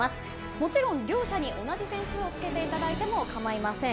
もちろん両者に同じ点数をつけていただいても構いません。